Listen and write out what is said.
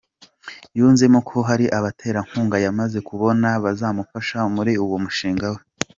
Yunzemo ko hari abaterankunga yamaze kubona bazamufasha muri uwo mushinga we.